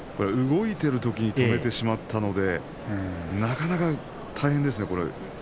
動いているときに止めてしまったのでなかなか大変ですね。